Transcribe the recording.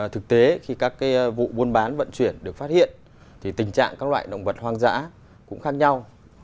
thực tế khi các vụ buôn bán vận chuyển được phát hiện thì tình trạng các loại động vật hoang dã cũng khác nhau